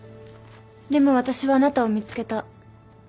でも私はあなたを見つけた。